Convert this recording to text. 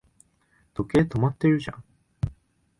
時計、止まってるじゃん